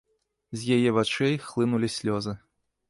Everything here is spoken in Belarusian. З яе вачэй хлынулі слёзы.